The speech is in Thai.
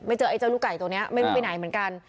เจอไอ้เจ้าลูกไก่ตัวนี้ไม่รู้ไปไหนเหมือนกัน